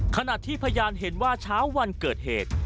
ขณะที่พยานเห็นว่าเช้าวันเกิดเหตุ